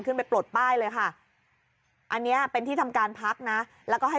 ไปปลดป้ายเลยค่ะอันนี้เป็นที่ทำการพักนะแล้วก็ให้